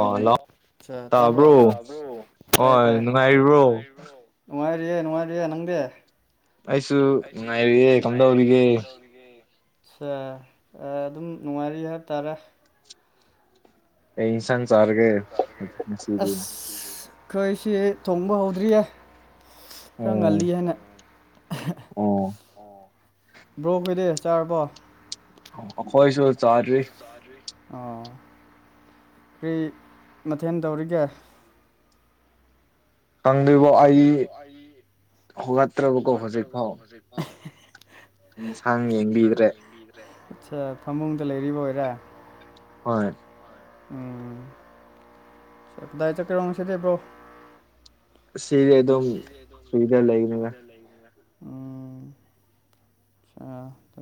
hello ꯇꯥꯕ꯭ꯔꯣ ꯇꯥ꯭ꯔꯣ ꯇꯥꯏ ꯇꯥꯏ ꯍꯅꯨꯡꯉꯥꯏꯔꯤꯕꯣ ꯅꯨꯡꯉꯥꯏꯔꯤꯌꯦ ꯅꯨꯡꯉꯥꯏꯔꯤꯌꯦ ꯅꯪꯗꯦ ꯑꯩꯁꯨ ꯅꯨꯡꯉꯥꯏꯔꯤꯌꯦ ꯀꯝꯗꯧꯔꯤꯒꯦ ꯑ ꯑꯗꯨꯝ ꯅꯨꯡꯉꯥꯏꯔꯤ ꯍꯥꯏꯕꯇꯥꯥꯔꯦ ꯑꯁ ꯈꯣꯏ ꯁꯤ ꯊꯣꯡꯕ ꯍꯧꯗ꯭ꯔꯤꯌꯦ ꯈꯈꯉꯜꯂꯤꯌꯥꯅ ꯕ꯭ꯔꯣ ꯀꯣꯏꯗꯤ ꯆꯥꯔꯕꯣ ꯑꯩꯈꯣꯏꯁꯨ ꯆꯥꯗꯔꯤ ꯑꯣ ꯀꯔꯤ ꯃꯊꯦꯜ ꯇꯧꯔꯤꯒꯦ ꯈꯪꯗꯦꯕꯣ ꯑꯩ ꯍꯧꯒꯠꯇ꯭ꯔꯕꯀꯣ ꯍꯧꯖꯤꯛ ꯐꯥꯎ [unintelligible] ꯏꯟꯁꯥꯡ ꯌꯦꯡꯕꯤꯕ ꯑꯠꯆꯥ ꯐꯃꯨꯡꯗ ꯂꯩꯔꯤꯕ ꯑꯣꯏꯔꯥ ꯍꯣꯏ ꯎꯝꯗ ꯆ ꯀꯗꯥꯏ ꯆꯀꯦꯔꯣ ꯉꯁꯤꯗꯤ ꯕ꯭ꯔꯣ ꯉꯁꯤꯗꯤ ꯑꯗꯨꯝ ꯐ꯭ꯔꯤꯗ ꯂꯩꯒꯅꯤꯗ ꯎ ꯑ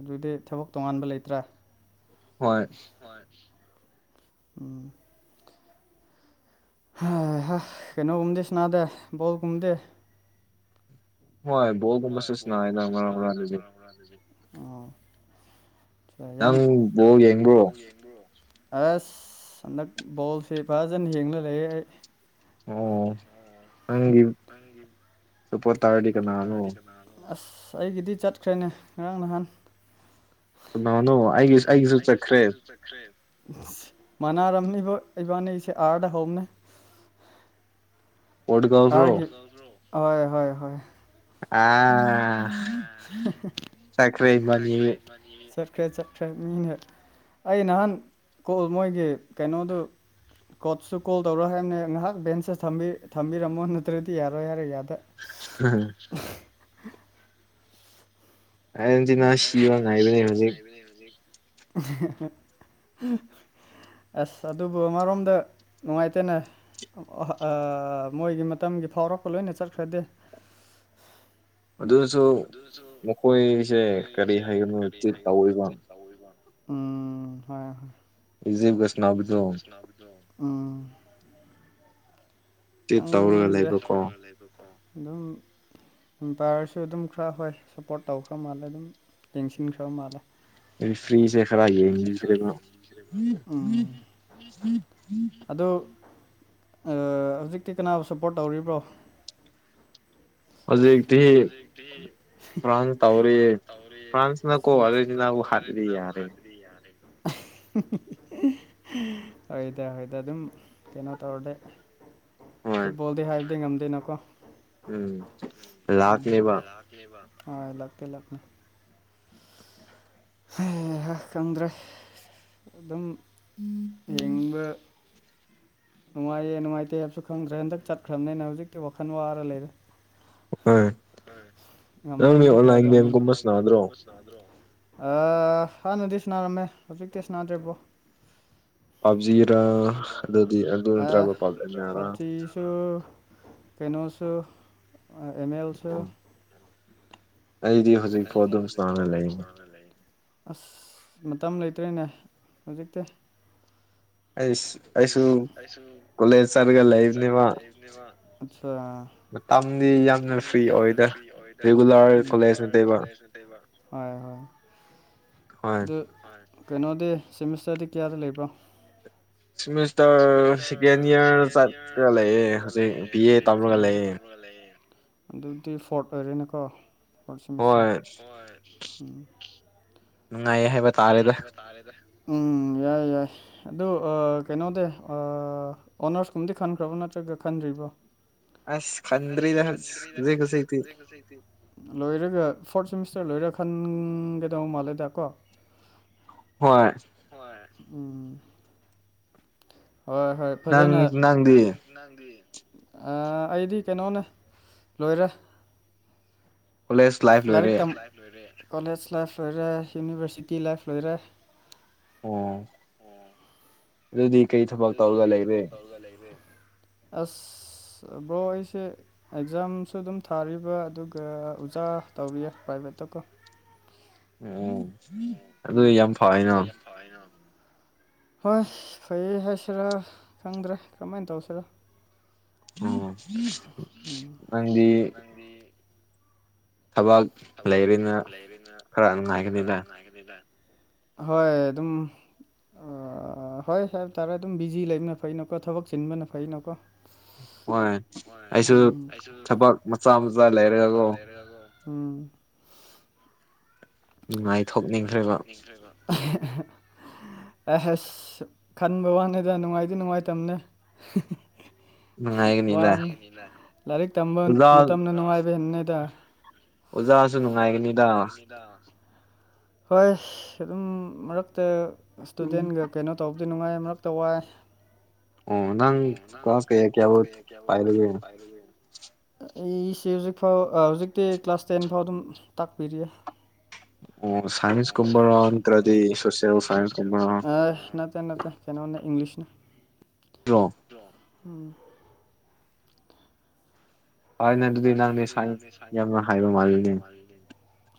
ꯑꯗꯨꯗꯤ ꯊꯕꯛ ꯇꯣꯉꯥꯟꯕ ꯂꯩꯇ꯭ꯔꯦ ꯍꯣꯏ ꯍꯣꯏ ꯎꯝ ꯍꯩꯍꯥ ꯀꯅꯣ ꯒꯨꯝꯗ ꯁꯅꯥꯗꯦ ꯕꯣꯜ ꯒꯨꯝꯕꯗꯤ ꯍꯣꯏ ꯍꯣꯏ ꯕꯣꯜ ꯒꯨꯝꯕꯁꯨ ꯁꯅꯩꯌꯦꯗ ꯃꯔꯛ ꯃꯔꯛꯇꯗꯤ ꯑꯣ ꯌꯥꯝ ꯅꯪ ꯕꯣ ꯌꯦꯡꯕ꯭ꯔꯣ ꯑꯁ ꯍꯟꯗꯛ ꯕꯣꯜꯁꯦ ꯐꯖꯅ ꯌꯦꯡꯂ ꯂꯩꯌꯦ ꯑꯩ ꯑꯣ ꯑꯣ ꯅꯪꯒꯤ ꯁꯄꯣꯔꯇꯔ ꯑꯁ ꯑꯩꯒꯤꯗꯤ ꯆꯠꯈ꯭ꯔꯦꯅꯦ ꯉꯔꯥꯡ ꯅꯍꯥꯟ ꯀꯅꯥꯅꯣ ꯑꯩꯒꯤꯁꯨ ꯑꯩꯒꯤꯁꯨ ꯆꯠꯈ꯭ꯔꯦ ꯃꯅꯥꯔꯝꯅꯤꯕꯣ ꯏꯕꯥꯅꯤꯁꯦ ꯑꯥꯔꯗ ꯍꯧꯕꯅꯦ ꯑꯥꯔꯒꯤ ꯍꯣꯏ ꯍꯣꯏ ꯍꯣꯏ ꯑꯥ ꯆꯠꯈ꯭ꯔꯦ ꯏꯕꯥꯅꯤꯒꯤ ꯆꯠꯈ꯭ꯔꯦ ꯆꯠꯈ꯭ꯔꯦ ꯃꯤꯅ ꯑꯩ ꯅꯍꯥꯟ ꯀꯣꯜ ꯃꯣꯏꯒꯤ ꯀꯩꯅꯣꯗꯨ ꯀꯣꯠꯁꯨ ꯀꯣꯜ ꯇꯧꯔ ꯍꯥꯏꯕꯅꯦ ꯉꯥꯏꯍꯥꯛ ꯕꯦꯟꯁꯁꯦ ꯊꯝꯕꯤ ꯊꯝꯕꯤꯔꯝꯃꯣ ꯅꯠꯇ꯭ꯔꯗꯤ ꯌꯥꯔꯣꯏ ꯍꯥꯏꯔ ꯌꯥꯗ [unintelligible] ꯑꯔꯖꯦꯟꯇꯤꯅꯥ ꯁꯤꯕ ꯉꯥꯏꯕꯅꯦ ꯍꯧꯖꯤꯛ [unintelligible] [unintelligible] ꯑꯁ ꯑꯗꯨꯕꯨ ꯑꯃꯔꯣꯝꯗ ꯅꯨꯡꯉꯥꯏꯇꯦꯅ ꯃꯣꯏꯒꯤ ꯃꯇꯝꯒꯤ ꯐꯥꯎꯔꯛꯄ ꯂꯣꯏꯅ ꯆꯠꯈ꯭ꯔꯗꯤ ꯑꯗꯨꯗꯁꯨ ꯃꯈꯣꯏꯁꯦ ꯀꯔꯤ ꯍꯥꯏꯒꯅꯣ ꯆꯤꯠ ꯇꯧꯋꯦꯕꯥ ꯎꯝ ꯍꯣꯏ ꯏꯖꯤꯞ ꯒ ꯁꯅꯕꯗꫭ [unintelligible] ꯑꯥ ꯈꯪꯗ꯭ꯔꯦ ꯑꯗꯨꯝ ꯑꯦꯝꯄꯥꯌꯔꯁꯨ ꯑꯗꯨꯝ ꯈꯔ ꯍꯣꯏ ꯁꯞꯄꯣꯔꯠ ꯇꯧꯈ꯭ꯔ ꯃꯥꯜꯂꯦ ꯑꯗꯨꯝ ꯌꯦꯡꯁꯤꯟꯈ꯭ꯔ ꯃꯥꯜꯂꯦ ꯎꯝ ꯑꯗꯨ [inaudible] ꯍꯧꯖꯤꯛꯇꯤ ꯀꯅꯥꯕꯨ ꯁꯄꯣꯔꯠ ꯇꯧꯔꯤꯕ꯭ꯔꯣ ꯍꯧꯖꯤꯛꯇꯤ ꯐ꯭ꯔꯥꯟꯁ ꯇꯧꯔꯤ ꯐ꯭ꯔꯥꯟꯁꯅꯀꯣ ꯑꯔꯖꯦꯟꯇꯤꯅꯥꯕꯨ ꯍꯥꯠ [unintelligible] ꯍꯣꯏꯗꯥ ꯍꯣꯏꯗꯥ ꯑꯗꯨꯝ ꯀꯩꯅꯣ ꯇꯧꯔꯗꯤ ꯐꯨꯠꯕꯣꯜꯗꯤ ꯍꯥꯏꯕꯗꯤ ꯉꯝꯗꯦꯅꯀꯣ ꯎꯝ ꯎꯝ ꯂꯥꯛꯅꯦꯕ ꯂꯛꯇꯤ ꯂꯛꯅꯦ ꯍꯩꯍꯥ ꯈꯪꯗ꯭ꯔꯦ ꯑꯗꯨꯝ ꯌꯦꯡꯕ ꯅꯨꯡꯉꯥꯏꯌꯦ ꯅꯨꯡꯉꯥꯏꯇꯦ ꯍꯥꯏꯕꯁꯨ ꯈꯪꯗ꯭ꯔꯦ ꯍꯟꯗꯛ ꯆꯠꯈ꯭ꯔꯕꯅꯤꯅ ꯍꯧꯖꯤꯛꯇꯤ ꯋꯥꯈꯜ ꯋꯥꯔ ꯂꯩꯔꯦ ꯉꯝꯂꯗꯤ ꯐꯗꯧꯅꯦꯕ ꯑ ꯍꯥꯟꯅꯗꯤ ꯁꯅꯥꯔꯝꯃꯦ ꯍꯧꯖꯤꯛꯇꯤ ꯁꯅꯥꯗ꯭ꯔꯤꯕꯣ ꯄꯞꯖꯤꯔ ꯑꯗꯨ ꯑ ꯄꯚꯖꯤ ꯁꯨ ꯀꯩꯅꯣꯁꯨ ꯑ ꯑꯦꯝ ꯑꯦꯜ ꯁꯨ ꯑꯩꯗꯤ ꯍꯧꯖꯤꯛꯐꯥꯎ ꯑꯗꯨꯝ ꯆꯥꯅ ꯂꯩꯅꯦ ꯑꯁ ꯃꯇꯝ ꯂꯩꯇ꯭ꯔꯅꯦ ꯍꯧꯖꯤꯛꯇꯤ ꯑꯩꯁ ꯑꯁ ꯑꯩꯁꯨ ꯀꯣꯂꯦꯖ ꯆꯠꯂꯒ ꯂꯩꯕꯥꯅꯦꯕ ꯑꯆ ꯃꯇꯝꯗꯤ ꯌꯥꯝꯅ ꯐ꯭ꯔꯤ ꯑꯣꯏꯗ ꯔꯤꯒꯨꯂꯔ ꯀꯣꯂꯦꯖ ꯅꯠꯇꯩꯕ ꯍꯣꯏ ꯍꯣꯏ [inaudible] ꯑꯗꯨ ꯀꯩꯅꯣꯗꯤ ꯁꯦꯃꯤꯁꯇꯔꯗꯤ ꯀꯌꯥꯗ ꯂꯩꯕ꯭ꯔꯥ ꯁꯤꯃꯦꯖ ꯁꯦꯃꯤꯁꯇꯔ ꯁꯦꯀꯦꯟ ꯏꯌꯥꯔ ꯆꯠꯂ ꯂꯩꯌꯦ ꯍꯧꯖꯤꯛ ꯕꯤ ꯑꯦ ꯇꯝꯔꯒ ꯂꯩꯌꯦ ꯑꯗꯨꯗꯤ ꯐꯣꯔꯠ ꯑꯣꯏꯔꯦꯅꯀꯣ ꯍꯣꯏ ꯅꯨꯡꯉꯥꯏꯌꯦ ꯍꯥꯏꯕ ꯅꯨꯡꯉꯥꯏꯌꯦ ꯍꯥꯏꯕ ꯇꯥꯔꯦꯗ ꯎꯝ ꯌꯥꯔꯦ ꯌꯥꯔꯦ ꯑꯗꯨ ꯀꯩꯅꯣꯗꯤ ꯑꯣꯅꯔꯁ ꯀꯨꯝꯗꯤ ꯈꯟꯈ꯭ꯔꯥꯕꯣ ꯅꯠꯇ꯭ꯔꯒ ꯈꯟꯗ꯭ꯔꯤꯕꯣ ꯑꯁ ꯈꯟꯗꯔꯤꯗ ꯍꯧꯖꯤꯛ ꯍꯧꯖꯤꯛꯗꯤ ꯍꯧꯖꯤꯛꯇꯤ ꯂꯣꯏꯔꯒ ꯐꯣꯔꯠ ꯁꯦꯃꯤꯁꯇꯔ ꯂꯣꯏꯔ ꯈꯟꯒꯗꯧ ꯃꯥꯜꯂꯦꯗ ꯀꯣ ꯍꯣꯏ ꯍꯣꯏ ꯎꯝ ꯍꯣꯏ ꯍꯣꯏ ꯐꯖꯅ ꯅꯪꯗꯤ ꯑꯥ ꯑꯩꯗꯤ ꯀꯩꯅꯣꯅꯦ ꯂꯣꯏꯔꯦ ꯂꯥꯏꯔꯤꯛ ꯇꯝꯕ ꯂꯣꯏꯔꯦ ꯀꯣꯂꯦꯖ ꯂꯥꯏꯐ ꯂꯣꯏꯔꯦ ꯌꯨꯅꯤꯚꯔꯁꯤꯇꯤ ꯂꯥꯏꯐ ꯂꯣꯏꯔꯦ ꯑꯣ ꯑꯗꯨꯗꯤ ꯀꯔꯤ ꯊꯕꯛ ꯇꯧꯔꯒ ꯂꯩꯔꯦ ꯀꯒ ꯂꯩ [unintelligible] ꯑꯁ ꯕꯣꯔ ꯑꯩꯁꯦ ꯑꯦꯛꯖꯥꯝꯁꯨ ꯑꯗꯨꯝ ꯊꯥꯔꯤꯕ ꯑꯗꯨꯒ ꯑꯣꯖꯥ ꯇꯧꯔꯤꯌꯦ ꯄ꯭ꯔꯥꯏꯚꯦꯠꯇꯀꯣ ꯎ ꯎꯝ ꯑꯗꯨꯗꯤ ꯌꯥꯝ ꯐ ꯍꯥꯏꯅꯣ ꯍꯣꯏ ꯐꯩ ꯍꯥꯏꯁꯤꯔꯥ ꯈꯪꯗ꯭ꯔꯦ ꯀꯃꯥꯏꯅ ꯇꯧꯁꯤꯔꯥ ꯎꯝ ꯅꯪꯗꯤ ꯊꯕꯛ ꯊꯕꯥꯛ ꯂꯩꯔꯤꯅ ꯈꯔꯉꯥꯏꯒꯅꯤꯗ ꯍꯣꯏ ꯑꯗꯨꯝ ꯍꯣꯏ ꯍꯥꯏꯕ ꯇꯥꯔꯦ ꯑꯗꯨꯝ ꯕꯤꯖꯤ ꯂꯩꯕꯅ ꯐꯩꯅꯀꯣ ꯊꯕꯛ ꯆꯤꯟꯕꯅ ꯐꯩꯅꯀꯣ ꯍꯣꯏ ꯑꯩꯁꯨ ꯊꯕꯛ ꯃꯆꯥ ꯃꯆꯥ ꯂꯩꯔꯒꯀꯣ [unintelligible] ꯎꯝ ꯅꯨꯡꯉꯥꯏꯊꯣꯛꯅꯤꯡꯈ꯭ꯔꯦꯕ [unintelligible] ꯑ ꯑꯁ ꯈꯟꯕ ꯋꯥꯅꯤꯗ ꯅꯨꯡꯉꯥꯏꯗꯤ ꯅꯨꯡꯉꯥꯏꯇꯅꯦ ꯋꯥꯅꯤ ꯂꯥꯏꯔꯤꯛ ꯇꯝꯕ ꯃꯇꯝꯅ ꯅꯨꯡꯉꯥꯏꯕ ꯍꯦꯟꯅꯤꯗ ꯑꯣꯖꯥꯁꯨ ꯅꯨꯡꯉꯥꯏꯒꯅꯤꯗ ꯗ ꯍꯣꯏ ꯑꯗꯨꯝ ꯃꯔꯛꯇ ꯏꯁꯇꯨꯗꯦꯟꯒ ꯀꯩꯅꯣ ꯇꯧꯕꯗꯤ ꯅꯨꯡꯉꯥꯏ ꯃꯔꯛꯇ ꯋꯥꯏ ꯑꯣ ꯅꯪ ꯀ꯭ꯔꯣꯥꯁ ꯀꯩ ꯀꯦ ꯌꯥꯕ ꯄꯥꯏꯕꯒ ꯑꯩꯁꯦ ꯍꯧꯖꯤꯛꯐꯥꯎ ꯑ ꯍꯧꯖꯤꯛꯇꯤ ꯀ꯭ꯂꯥꯁ ꯇꯦꯟ ꯐꯥꯎ ꯑꯗꯨꯝ ꯇꯥꯛꯄꯤꯔꯤꯌꯦ ꯅ ꯅ ꯀꯩꯅꯣ ꯏꯪꯂꯤꯁꯅ ꯔꯣ ꯎꯝ ꯍ ꯅꯪ ꯑꯗꯨꯗꯤ ꯅꯪꯅꯦ ꯁꯥꯡ ꯌꯥꯝꯅ ꯍꯥꯏꯕ ꯃꯥꯜꯂꯤꯅꯦ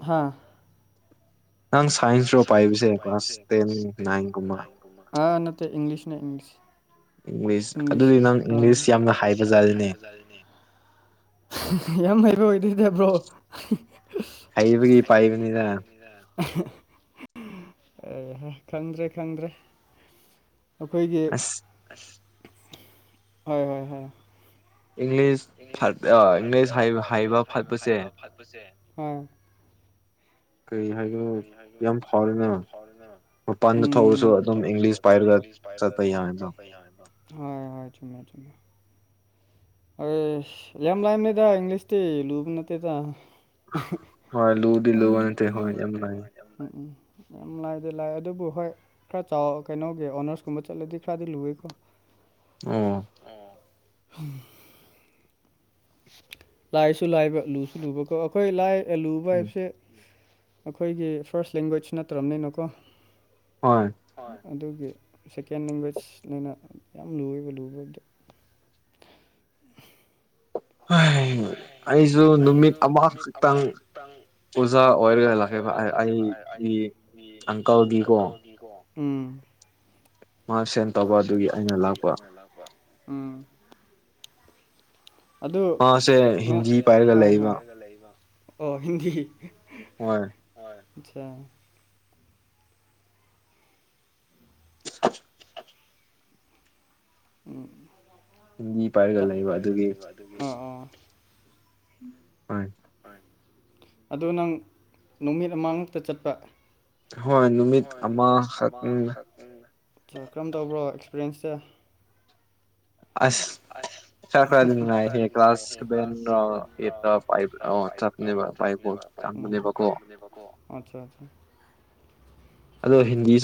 ꯍꯥꯥ ꯅꯪ ꯁꯥꯏꯟꯁ ꯔꯣ ꯄꯥꯏꯕꯁꯦ ꯀ꯭ꯂꯥꯁ ꯇꯦꯟ ꯅꯥꯏꯟꯒꯨꯝꯕ ꯑꯥ ꯅꯠꯇ ꯏꯪꯂꯤꯁ ꯅ ꯏꯪꯂꯤꯁ ꯏꯪꯂꯤꯁ ꯑꯗꯨꯗꯤ ꯅꯪ ꯏꯪꯂꯤꯁ ꯌꯥꯝꯅ ꯍꯩꯕꯥꯖꯥꯠꯅꯤꯅꯦ ꯂꯅꯤ [unintelligible] ꯌꯥꯝ ꯍꯩꯕ ꯑꯣꯏꯗꯣꯏꯗꯕ꯭ꯔꯣ ꯑ ꯑꯦ ꯍꯦ ꯈꯪꯗ꯭ꯔꯦ ꯈꯪꯗ꯭ꯔꯦ ꯑꯩꯈꯣꯏꯒꯤ ꯍꯣꯏ ꯍꯣꯏ ꯍꯣꯏ ꯏꯪꯂꯤꯁ ꯏꯪꯂꯤꯁ ꯏꯪꯂꯤꯁ ꯍꯥꯏꯕ ꯐꯠꯄꯁꯦ ꯀꯩ ꯍꯥꯏꯅꯣ ꯌꯥꯝ ꯐꯥꯎꯔꯦꯅꯦ ꯗ ꯊꯔꯁꯨ ꯑꯗꯨꯝ ꯏꯪꯂꯤꯁ ꯄꯥꯏꯔꯒ ꯆꯠꯄ ꯌꯥꯏꯕ ꯍꯣꯏ ꯍꯣꯏ ꯆꯨꯝꯃꯦ ꯆꯨꯝꯃꯦ ꯑ ꯌꯥꯝ ꯂꯥꯏꯝ ꯂꯩꯗ ꯏꯪꯂꯤꯁꯇꯤ ꯂꯨꯕ ꯅꯠꯇꯦꯗ ꯍ ꯍ ꯌꯥꯝ ꯂꯥꯏꯗꯤ ꯂꯥꯛ ꯑꯗꯨꯕꯨ ꯍꯣꯏ ꯈꯔ ꯆꯥꯎ ꯀꯩꯅꯣꯒꯤ ꯑꯣꯅꯔꯁꯀꯨꯝꯕ ꯆꯠꯂꯗꯤ ꯈꯔꯗꯤ ꯂꯨꯏꯦꯀꯣ ꯑꯣ ꯑꯣ ꯂꯥꯏꯁꯨ ꯂꯥꯏꯕ ꯂꯨꯁꯨ ꯂꯨꯕꯥꯀꯣ ꯑꯩꯈꯣꯏ ꯂꯥꯏ ꯂꯨꯕꯥ ꯍꯥꯏꯕꯁꯦ ꯑꯩꯈꯣꯏꯒꯤ ꯐꯥꯔꯁ ꯂꯦꯡꯒ꯭ꯋꯦꯖ ꯅꯠꯇ꯭ꯔꯕꯅꯤꯅ ꯀꯣ ꯍꯣꯏ ꯑꯗꯨꯒꯤ ꯁꯦꯀꯦꯟꯠ ꯂꯦꯡꯒ꯭ꯋꯦꯖꯅꯤꯅ ꯌꯥꯝ ꯂꯨꯏꯌꯦꯕ ꯂꯨꯕꯥꯕꯨꯗꯤ [unintelligible] ꯑꯩꯁꯨ ꯅꯨꯃꯤꯠ ꯑꯃꯈꯛꯇꯪ ꯑꯣꯖꯥ ꯑꯣꯏꯔꯒ ꯂꯥꯛꯕ ꯑꯩꯒꯤ ꯑꯪꯀꯜꯒꯤꯀꯣ ꯎꯝ ꯃꯥꯁ ꯃꯥ ꯁꯦꯚ ꯇꯧꯕ ꯑꯗꯨꯒꯤ ꯑꯩꯅ ꯂꯥꯛꯄ ꯎꯝ ꯑꯗꯨ ꯑꯣ ꯍꯤꯟꯗꯤ ꯍꯣꯏ ꯑꯆꯥ [unintelligible] ꯎꯝ ꯄꯥꯏꯔꯒ ꯂꯩꯕ ꯑꯗꯨꯒꯤ ꯍꯣꯏ ꯑꯗꯨ ꯅꯪ ꯅꯨꯃꯤꯠ ꯑꯃꯃꯛꯇ ꯆꯠꯄ ꯍꯣꯏ ꯅꯨꯃꯤꯠ ꯑꯃꯈꯛ ꯑ ꯀꯔꯝ ꯇꯧꯕ꯭ꯔꯣ ꯑꯦꯛꯁꯄꯤꯔꯤꯌꯦꯟꯁꯇ ꯑꯁ ꯆꯠꯈ꯭ꯔꯗꯤ ꯅꯨꯡꯉꯥꯏꯍꯦ ꯀ꯭ꯂꯥꯁ ꯁꯥꯚꯦꯟ ꯔꯣ ꯑꯩꯠꯔꯣ ꯄꯥꯏꯞ ꯑꯣ ꯆꯠꯄꯅꯦꯕ ꯄꯥꯏꯞ ꯆꯪꯕꯅꯦꯕꯀꯣ ꯑꯆꯥ ꯑꯆꯥ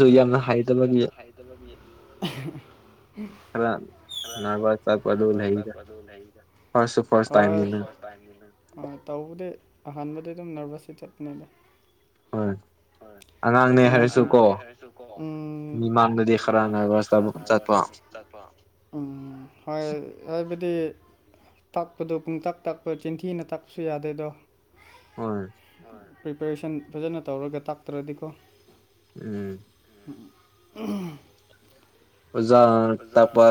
ꯑꯗꯣ ꯍꯤꯟꯗꯤꯁꯨ ꯌꯥꯝꯅ ꯍꯥꯏꯗꯕꯅꯤ [unintelligible] ꯍꯂꯒ ꯅ ꯍ ꯍ ꯑ ꯇꯧꯕꯗꯤ ꯑꯍꯥꯟꯕꯗꯤ ꯑꯗꯨꯝ ꯅꯔꯚꯁꯁꯨ ꯆꯠꯄꯅꯤꯗ ꯍꯣꯏ ꯍꯣꯏ ꯎꯅꯅꯦ ꯍꯥꯏꯁꯨꯣ ꯎꯃꯅꯗꯤ ꯈꯔ ꯎꯝ ꯍꯣꯏ ꯍꯥꯏꯕꯗꯤ ꯇꯛꯄꯗꯣ ꯄꯨꯡꯇꯛ ꯇꯛꯄ ꯆꯤꯟꯊꯤꯅ ꯇꯥꯛꯄꯁꯨ ꯌꯥꯗꯦꯗꯣ ꯄ꯭ꯔꯤꯄꯦꯔꯦꯁꯟ ꯐꯖꯥꯅ ꯇꯧꯔꯒ ꯇꯥꯛꯇ꯭ꯔꯗꯤꯀꯣ ꯎꯝ ꯎꯝ [unintelligible] ꯑꯣꯖꯥ ꯇꯛꯄ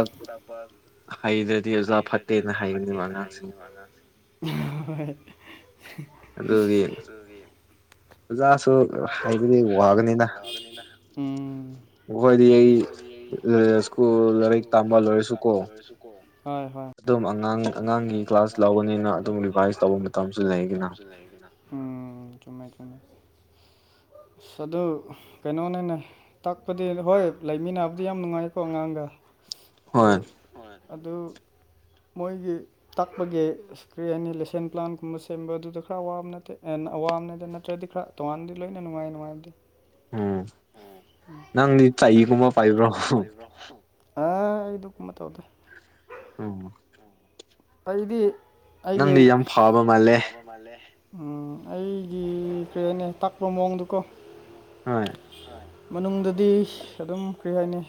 ꯍꯩꯗ꯭ꯔꯗꯤ ꯑꯣꯖꯥ ꯐꯠꯇꯦꯅ ꯍꯩꯒꯅꯦꯕ ꯑꯉꯥꯡꯁꯤꯡ ꯍꯣꯏ ꯑꯣꯖꯥꯁꯨ ꯍꯥꯏꯕꯗꯤ ꯋꯥꯒꯅꯤꯗ ꯑꯥ ꯃꯈꯣꯏꯗꯤ ꯑꯩ ꯁ꯭ꯀꯨꯜ ꯂꯥꯏꯔꯤꯛ ꯇꯥꯛꯄ ꯂꯣꯏꯔꯥꯁꯨ ꯀꯣ ꯍꯣꯏ ꯍꯣꯏ ꯑꯗꯨꯝ ꯑꯉꯥꯡ ꯑꯉꯥꯡꯒꯤ ꯀ꯭ꯂꯥꯁ ꯂꯧꯕꯅꯤꯅ ꯑꯗꯨꯝ ꯔꯤꯚꯥꯏꯁ ꯇꯧꯕ ꯃꯇꯝꯁꯨ ꯂꯩꯒꯤꯅ ꯂꯩꯗꯅ ꯎꯝ ꯆꯨꯝꯃꯦ ꯆꯨꯝꯃꯦ ꯑꯁ ꯑꯗꯨ ꯀꯩꯅꯣꯅꯦꯅꯦ ꯇꯥꯛꯄꯗꯤ ꯍꯣꯏ ꯂꯩꯃꯤꯟꯅꯕꯗꯤ ꯌꯥꯝ ꯅꯨꯡꯉꯥꯏ ꯁ ꯑꯉꯥꯡꯒ ꯑꯗꯨ ꯑꯗꯨ ꯃꯣꯏꯒꯤ ꯇꯥꯛꯄꯒꯤ ꯑꯁ ꯀ꯭ꯔꯤ ꯍꯥꯏꯅꯤ ꯂꯦꯁꯟ ꯄ꯭ꯂꯥꯟꯒꯨꯝꯕ ꯁꯦꯝꯕ ꯑꯗꯨꯗ ꯈ꯭ꯔ ꯋꯥꯕ ꯅꯠꯇꯦ ꯑ ꯋꯥꯕꯅꯦꯗ ꯅꯠꯇ꯭ꯔꯗꯤ ꯈ꯭ꯔ ꯇꯣꯉꯥꯟꯕꯗꯤ ꯂꯣꯏꯅ ꯅꯨꯡꯉꯥꯏ ꯅꯨꯡꯉꯥꯏꯕꯗꯤ ꯎꯝ ꯅꯪꯗꯤ ꯆꯩꯒꯨꯝꯕ ꯄꯥꯏꯕ꯭ꯔꯣ ꯔꯈꯨ ꯑ ꯑꯩꯗꯨ ꯀꯨꯝꯕ ꯇꯧꯗꯦ ꯎꯝ ꯑꯩꯗꯤ ꯑꯩꯒꯤ ꯎ ꯑꯩꯒꯤ ꯀꯔꯤ ꯍꯥꯏꯅꯦ ꯇꯥꯛꯄ ꯃꯑꯣꯡꯗꯨꯀꯣ ꯍꯣꯏ ꯃꯅꯨꯡꯗꯗꯤ ꯑꯗꯨꯝ ꯀꯔꯤ ꯍꯥꯏꯅꯤ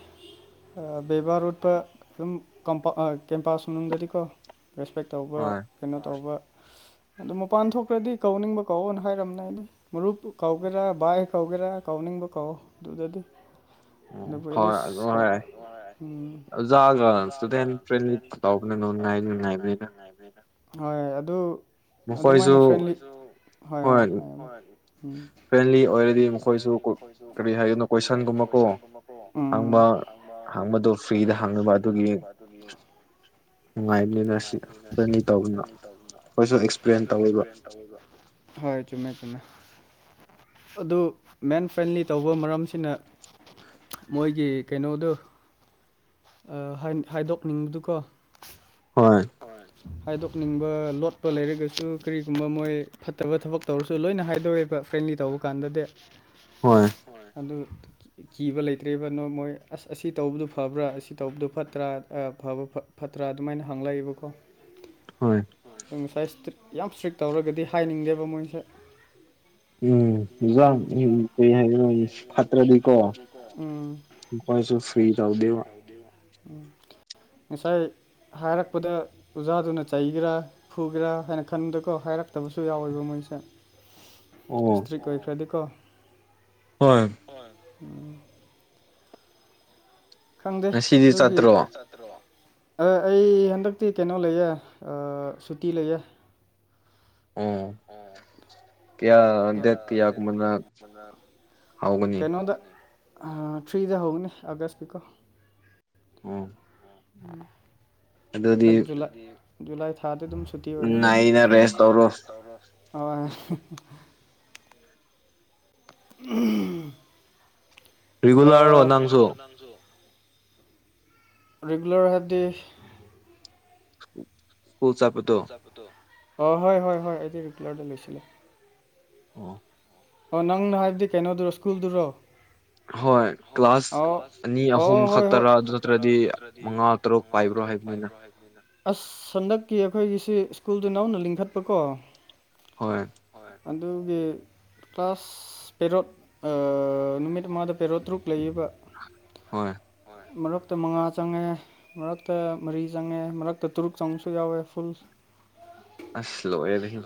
ꯑ ꯕꯦꯕꯥꯔ ꯎꯠꯄ ꯑꯗꯨꯝ ꯀꯝꯄꯥꯎ ꯀꯦꯝꯄ꯭ꯁ ꯃꯅꯨꯡꯗꯗꯤꯀꯣ ꯔꯦꯁꯄꯦꯛ ꯇꯧꯕ ꯀꯩꯅꯣ ꯇꯧꯕ ꯑꯗꯨ ꯃꯄꯥꯟ ꯊꯣꯛꯈ꯭ꯔꯗꯤ ꯀꯧꯅꯤꯡꯕ ꯀꯧꯑꯣꯅ ꯍꯥꯏꯔꯝꯕꯥꯅꯦ ꯑꯩꯅ ꯃꯔꯨꯞ ꯀꯧꯒꯗ꯭ꯔꯥ ꯕꯥꯏ ꯀꯧꯒꯗ꯭ꯔꯥ ꯀꯧꯅꯤꯡꯕ ꯀꯧꯋꯣ ꯑꯗꯨꯗꯗꯤ ꯎꯝ ꯍ ꯍꯣꯏ ꯎꯝ ꯥꯒ ꯅ ꯐ꯭ꯔꯦꯟꯂꯤ ꯊꯧꯥꯎꯅ ꯅꯣꯡꯅꯅꯥꯅ ꯍꯣꯏ ꯑꯗꯨ ꯑꯗꯨꯃꯥꯏꯅ ꯐ꯭ꯔꯦꯟꯂꯤ ꯍꯣꯏ ꯍꯣꯏ ꯍꯥꯏ ꯎꯝ ꯐ꯭ꯔꯦꯟꯂꯤ ꯑꯣꯏꯔꯗꯤ ꯃꯈꯣꯏꯁꯨ ꯀꯔꯤ ꯍꯥꯏꯗꯅ ꯀꯣꯏꯁꯟꯒꯨꯝꯕꯀꯣ ꯍꯪꯕꯥꯗꯣ ꯐ꯭ꯔꯤꯗ ꯍꯪꯅꯕ ꯑꯗꯨꯒꯤ ꯅꯨꯡꯉꯥꯏꯕꯅꯤꯅ ꯑꯁꯤ ꯀꯅꯤ ꯇꯧꯗꯅ [unintelligible] ꯍꯣꯏ ꯆꯨꯝꯃꯦ ꯆꯨꯝꯃꯦ ꯑꯗꯨ ꯃꯦꯟ ꯐ꯭ꯔꯦꯟꯂꯤ ꯇꯧꯕ ꯃꯔꯝꯁꯤꯅ ꯃꯣꯏꯒꯤ ꯀꯩꯅꯣꯗꯣ ꯍꯥꯏꯗꯣꯛꯅꯤꯡꯕꯗꯨꯀꯣ ꯍꯣꯏ ꯍꯥꯏꯗꯣꯛꯅꯤꯡꯕ ꯂꯣꯠꯄ ꯂꯩꯔꯒꯁꯨ ꯀꯔꯤꯒꯨꯝꯕ ꯃꯣꯏ ꯐꯠꯇꯕ ꯊꯕꯛ ꯇꯧꯔꯁꯨ ꯂꯣꯏꯅ ꯍꯥꯏꯗꯣꯛꯑꯦꯕ ꯐ꯭ꯔꯦꯟꯂꯤ ꯇꯧꯕ ꯀꯥꯟꯗꯗꯤ ꯍꯣꯏ ꯑꯗꯨ ꯀꯤꯕ ꯂꯩꯇ꯭ꯔꯤꯕꯅꯣ ꯃꯣꯏ ꯑꯁ ꯑꯁꯤ ꯇꯧꯕꯗꯨ ꯐꯕ꯭ꯔꯥ ꯑꯁꯤ ꯇꯧꯕꯗꯨ ꯐꯠꯇ꯭ꯔꯥ ꯐꯕ ꯐꯠꯇ꯭ꯔꯥ ꯑꯗꯨꯃꯥꯏꯅ ꯍꯪꯂꯛꯏꯕꯀꯣ ꯍꯣꯏ ꯑ ꯉꯁꯥꯏ ꯏꯁꯇ꯭ꯔꯤꯛ ꯌꯥꯝ ꯏꯁꯇ꯭ꯔꯤꯛ ꯇꯧꯔꯒꯗꯤ ꯍꯥꯏꯅꯤꯡꯗꯦꯕ ꯃꯣꯏꯁꯦ ꯎꯝ ꯎꯝ ꯃꯣꯏꯁꯨ ꯐ꯭ꯔꯤ ꯇꯧꯗꯦꯕ ꯑꯗꯨ ꯎꯝ ꯉꯁꯥꯏ ꯍꯥꯏꯔꯛꯄꯗ ꯑꯣꯖꯥꯗꯨꯅ ꯆꯩꯒꯦꯔꯥ ꯐꯨꯒꯦꯔꯥ ꯍꯥꯏꯅ ꯈꯟꯕꯗꯀꯣ ꯍꯥꯏꯔꯛꯇꯕꯁꯨ ꯌꯥꯎꯋꯦꯕ ꯃꯣꯏꯁꯦ [unintelligible] ꯗꯤꯁꯇ꯭ꯔꯤꯛ ꯑꯣꯏꯈ꯭ꯔꯗꯤꯀꯣ ꯍꯣꯏ ꯍꫭꯏ ꯎ [inaudible] ꯈꯪꯗꯦ ꯑꯗꯨꯒꯤ ꯑꯩ ꯍꯟꯗꯛꯇꯤ ꯀꯩꯅꯣ ꯂꯩꯌꯦ ꯁꯨꯇꯤ ꯂꯩꯌꯦ ꯑꯣ ꯑꫭ ꯀꯌꯥ ꯗꯦꯠ ꯀꯌꯥ ꯒꯨꯝꯅ ꯍꯧꯒꯅꯤ ꯊ꯭ꯔꯤꯗ ꯍꯧꯅꯦ ꯑꯥꯒꯁ ꯀꯤꯀꯣ ꯎꯝ ꯎꯝ ꯍꯟꯗꯛ ꯖꯨ ꯖꯨꯂꯥꯏ ꯊꯥꯗ ꯑꯗꯨꯝ ꯁꯨꯇꯤ ꯑꯣꯏꯔꯦ ꯂꯣꯢꯅ ꯍꯣꯢ ꯎꯝ [inaudible] ꯔꯤꯒꯨꯂꯔ ꯑꯣ ꯅꯪꯁꯨ ꯇꯖꯨ [inaudible] ꯔꯔꯤꯒꯨꯂꯔ ꯍꯥꯏꯗꯤ ꯁꯀꯨꯜ ꯆꯠꯄꯇꯣ ꯑꯣ ꯍꯣ ꯍꯣꯏ ꯍꯣꯏ ꯍꯣꯏ ꯑꯩꯗꯤ ꯔꯤꯒꯨꯂꯥꯔꯗ ꯂꯣꯏꯁꯤꯜꯂꯦ ꯑꯣ ꯑꯣ ꯅꯪꯅ ꯍꯥꯏꯕꯗꯤ ꯀꯩꯅꯣꯗꯨꯔꯣ ꯁ꯭ꯀꯨꯜꯗꯨꯔꯣ ꯍꯣꯏ ꯀ꯭ꯂꯥꯁ ꯑꯅꯤ ꯑꯍꯨꯝ ꯈꯛꯇꯔꯥ ꯑꯗꯨ ꯅꯠꯇ꯭ꯔꯗꯤ ꯃꯉꯥ ꯇꯔꯨꯛ ꯄꯥꯏꯕ꯭ꯔꯣ ꯍꯥꯏꯕꯅꯤꯗ ꯑꯁ ꯍꯟꯗꯛꯀꯤ ꯑꯩꯈꯣꯏꯒꯤꯁꯤ ꯁ꯭ꯀꯨꯜꯗ ꯅꯅꯥꯎꯅ ꯂꯤꯡꯈꯠꯄꯀꯣ ꯍꯣꯏ ꯍ ꯑꯗꯨꯒꯤ ꯀ꯭ꯂꯥꯁ ꯄꯦꯔꯣꯠ ꯑ ꯅꯨꯃꯤꯠ ꯑꯃꯗ ꯄꯦꯔꯣꯠ ꯇꯔꯨꯛ ꯂꯩꯕ ꯍꯣꯏ ꯃꯔꯛꯇ ꯃꯉꯥ ꯆꯪꯉꯦ ꯃꯔꯛꯇ ꯃꯔꯤ ꯆꯪꯉꯦ ꯃꯔꯛꯇ ꯇꯔꯨꯛ ꯆꯪꯕꯁꯨ ꯌꯥꯎꯋꯦ ꯐꯨꯜ ꯑꯁ ꯂꯣꯏꯔꯦꯍꯦ